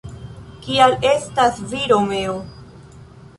Kial estas vi Romeo?».